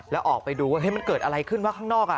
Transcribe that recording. แล้วออกไปดูว่ามันเกิดอะไรขึ้นวะข้างนอก